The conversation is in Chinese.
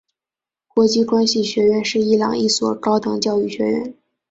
国际关系学院是伊朗一所高等教育学校。